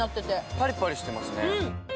パリパリしてますね。